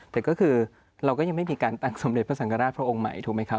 แต่ก็คือเราก็ยังไม่มีการตั้งสมเด็จพระสังฆราชพระองค์ใหม่ถูกไหมครับ